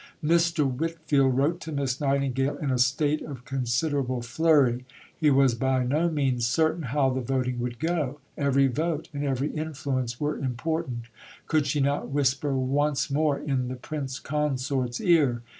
Mr. Whitfield wrote to Miss Nightingale in a state of considerable flurry. He was by no means certain how the voting would go; every vote and every influence were important; could she not whisper once more in the Prince Consort's ear?